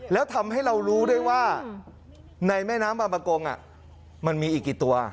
แล้วทำให้เรารู้ได้ว่าในแม่น้ำบางประกงมันมีอีกกี่ตัว